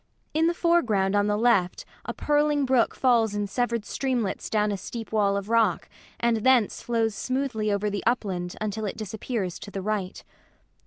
In the foreground on the left a purling brook falls in severed streamlets down a steep wall of rock, and thence flows smoothly over the upland until it disappears to the right.